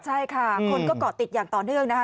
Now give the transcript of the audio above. ใช่ค่ะคนก็เกาะติดอย่างต่อเนื่องนะคะ